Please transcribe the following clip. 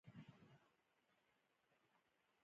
چټک ابتکار ستونزې حلوي.